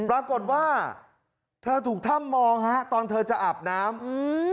ปรากฏว่าเธอถูกถ้ำมองฮะตอนเธอจะอาบน้ำอืม